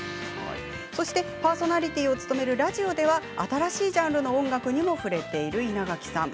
そしてパーソナリティーを務めるラジオでは新しいジャンルの音楽にも触れている稲垣さん。